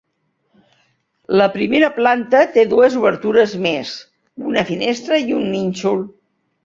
La primera planta té dues obertures més, una finestra i un nínxol.